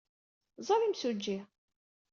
Ẓer imsujji.